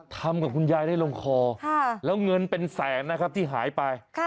ทำกับคุณยายได้ลงคอแล้วเงินเป็นแสนนะครับที่หายไป